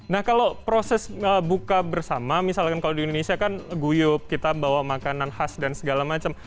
nah kalau proses buka bersama misalkan kalau di indonesia kan guyup kita bawa makanan khas dan segala macam